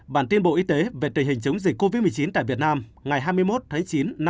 bản tin bộ y tế về trình hình chống dịch covid một mươi chín tại việt nam ngày hai mươi một chín hai nghìn hai mươi một